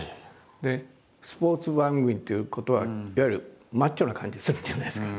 でスポーツ番組っていうことはいわゆるマッチョな感じするじゃないですか。